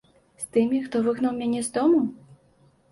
З тымі, хто выгнаў мяне з дому?